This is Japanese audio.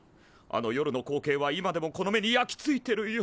あの夜の光景は今でもこの目に焼き付いてるよ。